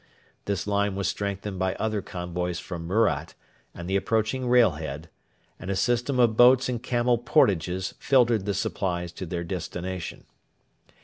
This line was strengthened by other convoys from Murat and the approaching Railhead, and a system of boats and camel portages filtered the supplies to their destination.